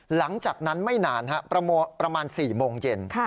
หลังจากนั้นไม่นานครับประโมงประมาณ๔โมงเย็น